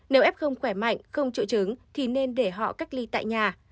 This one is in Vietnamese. nếu f không khỏe mạnh không triệu chứng thì nên để họ cách ly tại nhà